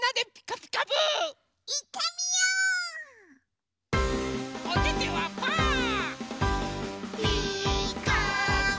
「ピーカーブ！」